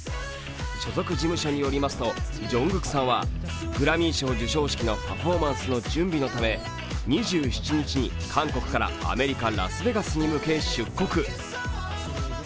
所属事務所によりますとＪＵＮＧＫＯＯＫさんはグラミー賞授賞式のパフォーマンスの準備のため２７日に韓国からアメリカ・ラスベガスに向け出国。